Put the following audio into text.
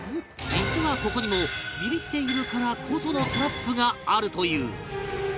実はここにもビビっているからこそのトラップがあるという